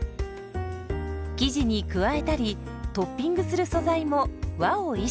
生地に加えたりトッピングする素材も和を意識。